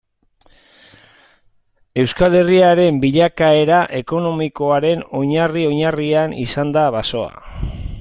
Euskal Herriaren bilakaera ekonomikoaren oinarri-oinarrian izan da basoa.